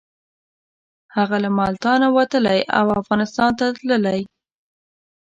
هغه له ملتانه وتلی او افغانستان ته تللی.